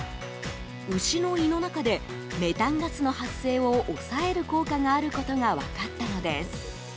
牛の胃の中でメタンガスの発生を抑える効果があることが分かったのです。